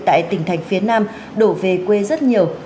tại tỉnh thành phía nam đổ về quê rất nhiều